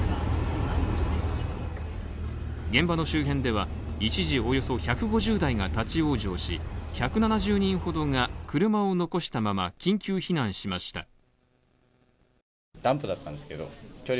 現場の周辺では一時およそ１５０大が立往生し１７０人ほどが車を残したまま緊急避難しました。